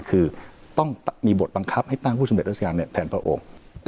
คือต้องมีบทบังคับให้ตั้งผู้สำเร็จราชการแทนพระองค์